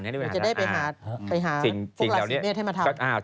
มันจะได้ไปหาพวกราศีเมษให้มาทำ